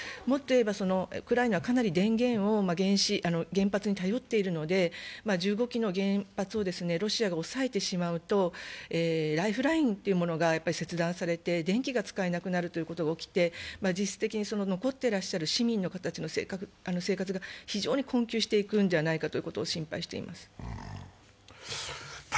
もっといえばウクライナは電源をかなり原発に頼っているので１５基の原発をロシアが押さえてしまうとライフラインというものが切断されて、電気が使えなくなるということが起きて、実質的に残ってらっしゃる市民の方たちの生活が非常に困窮していくんではないかということを心配しています。